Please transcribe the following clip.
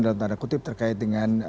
dalam tanda kutip terkait dengan